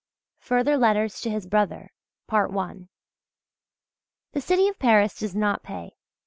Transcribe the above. FURTHER LETTERS TO HIS BROTHER The city of Paris does not pay.